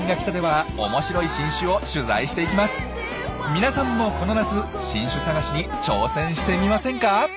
皆さんもこの夏新種探しに挑戦してみませんか？